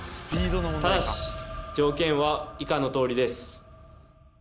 ただし条件は以下の通りです